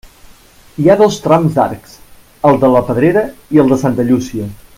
Hi ha dos trams d'arcs, el de la Pedrera i el de Santa Llúcia.